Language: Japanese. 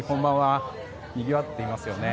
にぎわっていますよね。